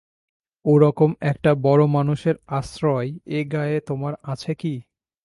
ও-রকম একটা বড় মানুষের আশ্রয়-এ গাঁয়ে তোমার আছে কি?